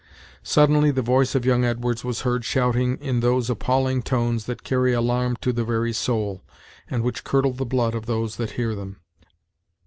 Suddenly the voice of young Edwards was heard shouting in those appalling tones that carry alarm to the very soul, and which curdle the blood of those that hear them.